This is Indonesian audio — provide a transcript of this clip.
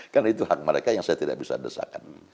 karena itu hak mereka yang saya tidak bisa desakan